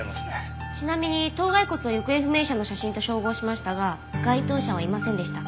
ちなみに頭蓋骨を行方不明者の写真と照合しましたが該当者はいませんでした。